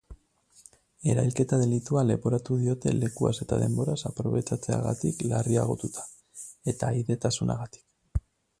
Erailketa delitua leporatu diote lekuaz eta denboraz aprobetxatzeagatik larriagotuta, eta ahaidetasunagatik.